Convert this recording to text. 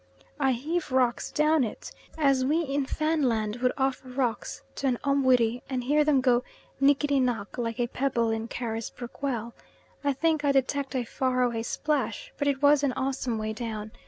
I heave rocks down it, as we in Fanland would offer rocks to an Ombwiri, and hear them go "knickity knock, like a pebble in Carisbrook well." I think I detect a far away splash, but it was an awesome way down.